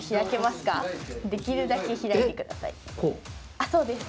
あっそうです。